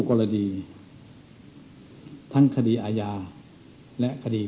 การงานในภายในการปฏิเสธ